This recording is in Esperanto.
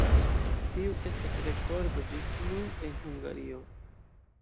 Tiu estas rekordo ĝis nun en Hungario.